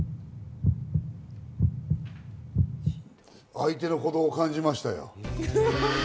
相手の鼓動を感じましたよ。